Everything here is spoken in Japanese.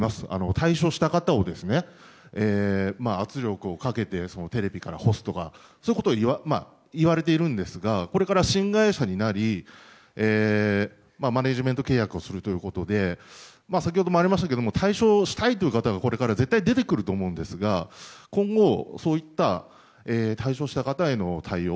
退所した方を、圧力をかけてテレビから干すとかそういうことを言われているんですがこれから新会社になりマネジメント契約をするということで先ほどもありましたけれども退所したいという方がこれから絶対出てくると思うんですが今後そういった退所した方への対応